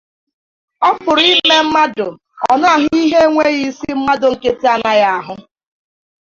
Ọ pụrụ ime mmadụ ọ na-ahụ ihe enweghị isi mmadụ nkịtị anaghị ahụ